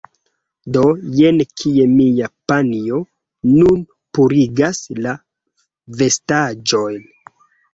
Do, jen kie mia panjo nun purigas la vestaĵojn